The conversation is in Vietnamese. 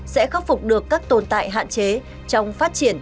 sẽ khắc phục được các tồn tại hạn chế trong phát triển